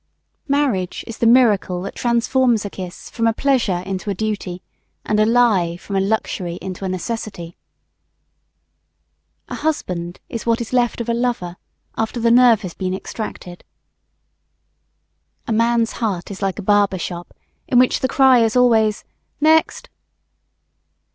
Marriage is the miracle that transforms a kiss from a pleasure into a duty, and a lie from a luxury into a necessity. A husband is what is left of a lover, after the nerve has been extracted. A man's heart is like a barber shop in which the cry is always, "NEXT!"